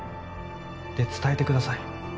で伝えて下さい。